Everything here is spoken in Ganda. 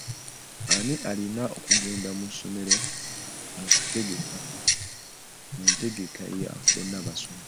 Ani alina okugenda mu ssomero mu ntegeka ya Bonna Basome?